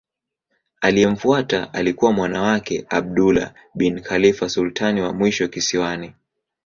Aliyemfuata alikuwa mwana wake Abdullah bin Khalifa sultani wa mwisho kisiwani.